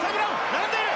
並んでいる！